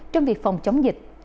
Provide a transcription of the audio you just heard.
trong việc phòng chống dịch